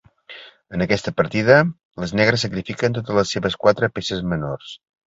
En aquesta partida, les negres sacrifiquen totes les seves quatre peces menors.